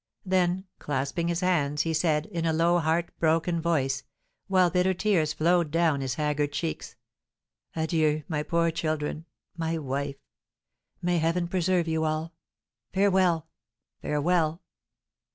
Then clasping his hands, he said, in a low, heart broken voice, while bitter tears flowed down his haggard cheeks: "Adieu, my poor children! my wife! May Heaven preserve you all! Farewell, farewell!"